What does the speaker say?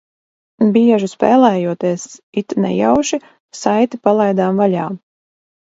Bieži spēlējoties, it nejauši, saiti palaidām vaļā.